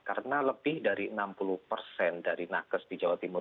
karena lebih dari enam puluh persen dari nakas di jawa timur